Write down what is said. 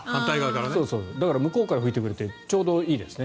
だから向こうから拭いてくれてちょうどいいですね。